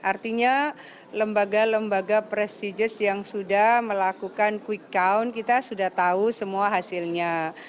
artinya lembaga lembaga prestiges yang sudah melakukan quick count kita sudah tahu semua hasilnya